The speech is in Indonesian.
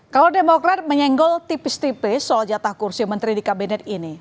kalau demokrat menyenggol tipis tipis soal jatah kursi menteri di kabinet ini